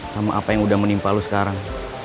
sama apa yang udah menimpa lu sekarang